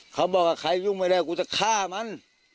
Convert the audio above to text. เขาบอกว่าใครยุ่งไม่ได้กูจะฆ่ามัน